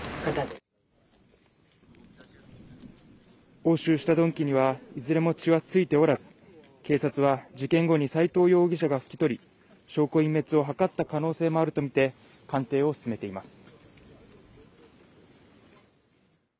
押収した鈍器にはいずれも血は付いておらず警察は事件後に斎藤容疑者が拭き取り証拠隠滅を図った可能性もあるとみて鑑定を進めています